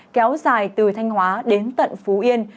kéo dài từ thanh hóa đến tận phú yên